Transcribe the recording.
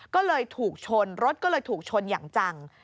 ก็เลยถูกชนรถก็เลยถูกชนอย่างจัง